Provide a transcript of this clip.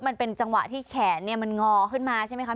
มันเป็นจังหวะที่แขนเนี่ยมันงอขึ้นมาใช่ไหมคะ